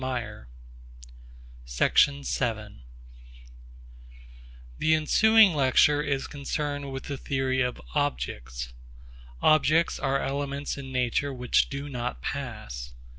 CHAPTER VII OBJECTS The ensuing lecture is concerned with the theory of objects. Objects are elements in nature which do not pass.